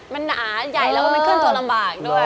มันหนาใหญ่แล้วก็มันเคลื่อนตัวลำบากด้วย